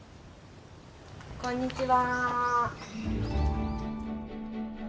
こんにちは。